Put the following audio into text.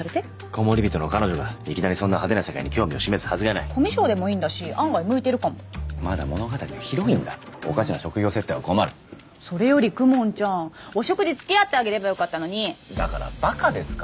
コモリビトの彼女がいきなりそんな派手な世界に興味を示すはずがないコミュ障でもいいんだし案外向いてるかもまだ物語のヒロインだおかしな職業設定は困るそれより公文ちゃんお食事つきあってあげればよかったのにだからバカですか？